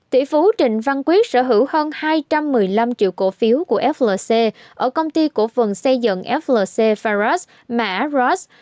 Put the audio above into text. tỷ phú trịnh văn quyết sở hữu hơn hai trăm một mươi năm triệu cổ phiếu của flc ở công ty cổ phần xây dựng flc faras mã